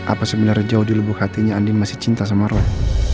apa sebenarnya jauh di lubuk hatinya andin masih cinta sama roh